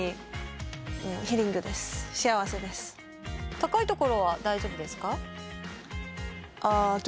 高いところは大丈夫ですか？